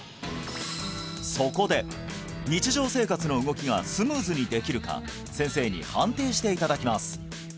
そこで日常生活の動きがスムーズにできるか先生に判定していただきます